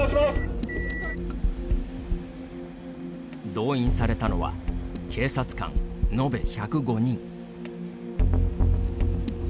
動員されたのは警察官延べ１０５人。